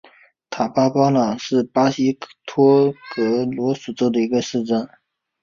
塔巴波朗是巴西马托格罗索州的一个市镇。